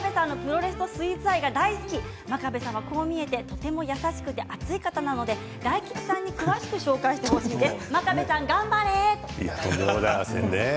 真壁さんのプロレスとスイーツが大好き真壁さんはこう見えてとても優しくて熱い方なので大吉さんに詳しく紹介してもらいたいです。